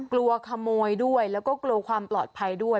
กลัวขโมยด้วยแล้วก็กลัวความปลอดภัยด้วย